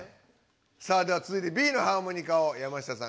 さあではつづいてＢのハーモニカを山下さん